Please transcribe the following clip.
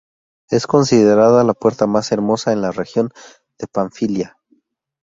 Es considerada la puerta más hermosa en la región de Panfilia.